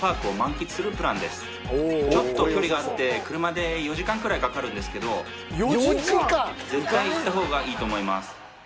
ちょっと距離があって車で４時間くらいかかるんですけど絶対行った方がいいと思います